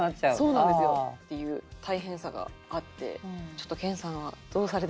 そうなんですよ。っていう大変さがあってちょっと研さんはどうされてるかな？